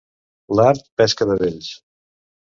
L'art, pesca de vells.